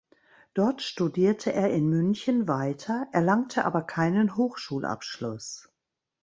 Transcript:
Dort studierte er in München weiter, erlangte aber keinen Hochschulabschluss.